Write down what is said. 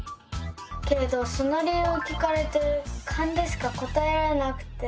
けれどその理由を聞かれてカンでしか答えられなくて。